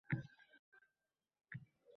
Oʻzbek rassomi xalqaro koʻrgazma ishtirokchisi